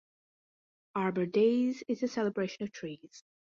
Arbor Daze is a celebration of trees.